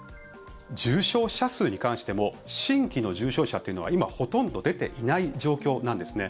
重症者数に関しても新規の重症者というのは今、ほとんど出ていない状況なんですね。